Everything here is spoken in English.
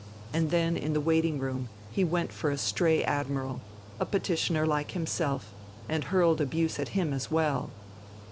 And then in the waiting room he went for a stray Admiral, a petitioner like himself, and hurled abuse at him as well.